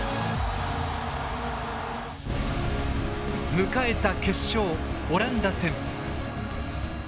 迎えた決勝オランダ戦。